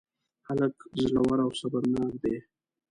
هلک زړور او صبرناک دی.